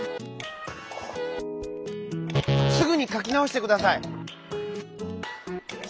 「すぐにかきなおしてください」。